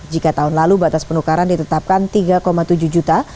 jika tahun lalu batas penukaran ditetapkan rp tiga tujuh juta